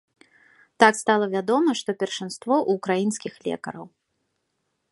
Так стала вядома, што першынство ў украінскіх лекараў.